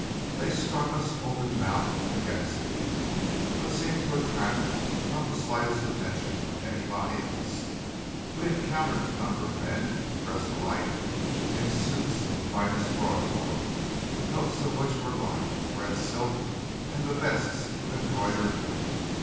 They struck us open mouthed and gasping; but seemed to attract not the slightest attention from anybody else. We encountered a number of men dressed alike in suits of the finest broadcloth, the coats of which were lined with red silk, and the vests of embroidered white.